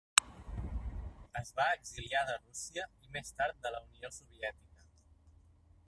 Es va exiliar de Rússia i més tard de la Unió Soviètica.